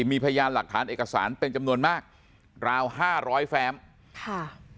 มีพยานหลักฐานเอกสารเป็นจำนวนมากราวห้าร้อยแฟมค่ะ